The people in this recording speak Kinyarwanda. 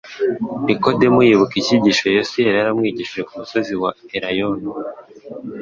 Nikodemu yibuka icyigisho Yesu yari yaramwigishije ku musozi wa Elayono,